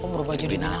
berubah jadi binatang